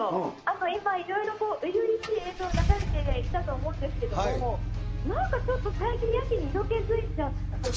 今いろいろういういしい映像出されていたと思うんですけど、なんかちょっと最近、やけに色気づいちゃってて。